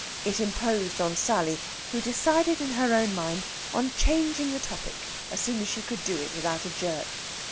It imposed on Sally, who decided in her own mind on changing the topic as soon as she could do it without a jerk.